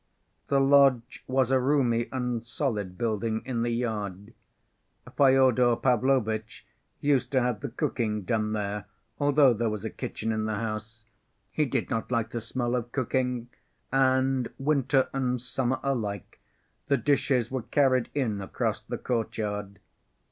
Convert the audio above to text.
The lodge was a roomy and solid building in the yard. Fyodor Pavlovitch used to have the cooking done there, although there was a kitchen in the house; he did not like the smell of cooking, and, winter and summer alike, the dishes were carried in across the courtyard.